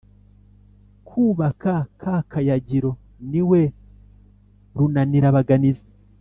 Kabaka ka Kayagiro ni we Runanirabaganizi